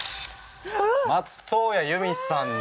松任谷由実さんに。